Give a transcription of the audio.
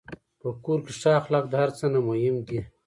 په کور کې ښه اخلاق د هر څه نه مهم دي.